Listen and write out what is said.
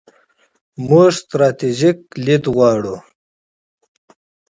موږ ستراتیژیک لید غواړو.